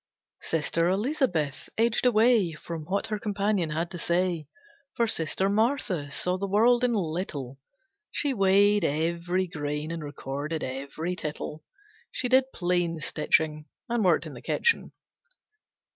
Sister Elisabeth edged away From what her companion had to say, For Sister Marthe saw the world in little, She weighed every grain and recorded each tittle. She did plain stitching And worked in the kitchen.